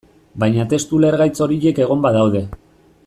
Baina testu ulergaitz horiek egon badaude.